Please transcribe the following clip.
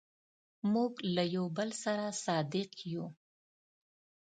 موږ له یو بل سره صادق یو.